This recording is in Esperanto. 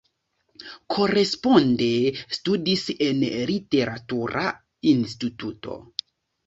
Koresponde studis en Literatura Instituto.